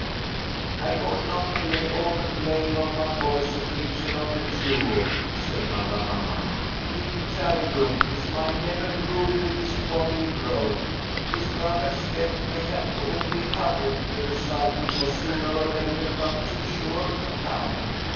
"I ought not to lay all the blame of my boy's affliction on the duel," said Madame Marillac. "In childhood, his mind never grew with his bodily growth. His brother's death may have only hurried the result which was sooner or later but too sure to come.